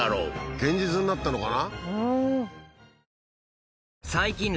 現実になったのかな？